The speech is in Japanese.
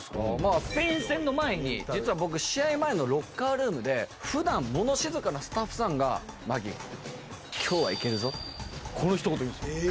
スペイン戦の前に、実は僕、試合前のロッカールームで、ふだんもの静かなスタッフさんが、マキ、きょうはいけるぞ、このひと言。